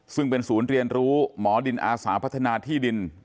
ซึ่งเป็นศูนย์เรียนรู้หมอดินอาสาพัฒนาที่ดิน